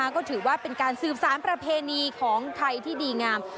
ก็ถือว่าเป็นการสืบสารประเพณีของไทยที่ดีงาม